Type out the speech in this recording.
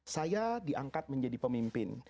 saya diangkat menjadi pemimpin